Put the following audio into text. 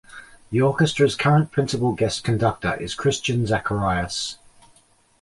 The orchestra's current principal guest conductor is Christian Zacharias.